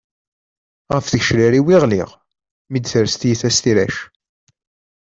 Ɣef tgecrar-iw i ɣliɣ, mi d-tres tyita s tirac.